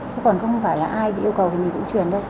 chứ còn không phải là ai bị yêu cầu thì mình cũng truyền đâu